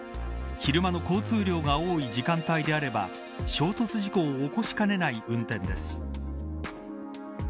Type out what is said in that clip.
昼間の交通量が多い時間帯であれば衝突事故を起こしかねない運転です。